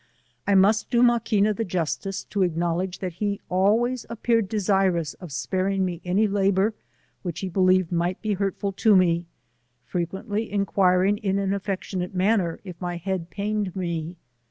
I must do Maquina the justice to acknowledge, that he always appeared desirous of sparing me any labour which he believed might be hurtful to me, frequently enquiring in an affectionate man Bcr, if my head pained me.